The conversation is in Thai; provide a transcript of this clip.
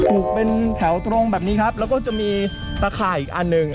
ลูกเป็นแถวตรงแบบนี้ครับแล้วก็จะมีตะข่ายอีกอันหนึ่ง